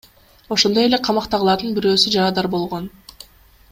Ошондой эле камактагылардын бирөөсү жарадар болгон.